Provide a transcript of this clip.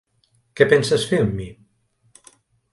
Què penses fer amb mi?